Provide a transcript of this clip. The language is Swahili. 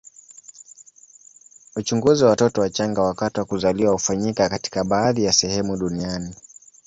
Uchunguzi wa watoto wachanga wakati wa kuzaliwa hufanyika katika baadhi ya sehemu duniani.